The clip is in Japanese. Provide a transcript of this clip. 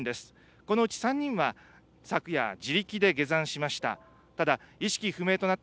このうち３人は昨夜、自力で下山しました。